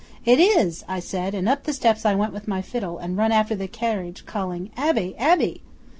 '"It is!" I said, and up the steps I went with my fiddle, and run after the carriage calling, "Abbe, Abbe!"